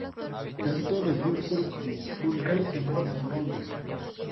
Casi todos sus libros fueron primeramente publicados por en Londres.